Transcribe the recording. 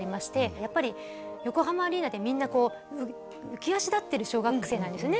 やっぱり横浜アリーナでみんなこう浮き足だってる小学生なんですよね